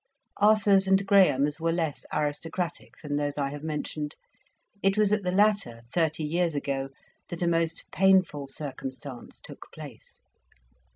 Arthur's and Graham's were less aristocratic than those I have mentioned; it was at the latter, thirty years ago, that a most painful circumstance took place.